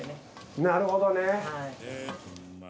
なるほどね。